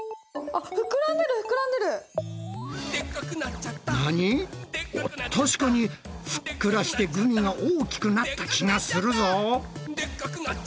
あっ確かにふっくらしてグミが大きくなった気がするぞ。